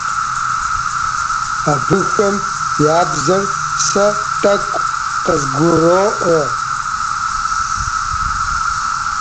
Абыхэм я бзэр сэ тӀэкӀу къызгуроӀуэ.